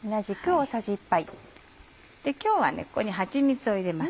今日はここにはちみつを入れます。